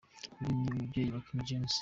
Uyu ni umubyeyi wa King James.